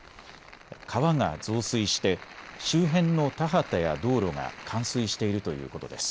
川が増水して周辺の田畑や道路が冠水しているということです。